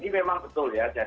jadi memang betul ya